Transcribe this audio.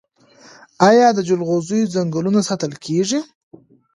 آیا د جلغوزیو ځنګلونه ساتل کیږي؟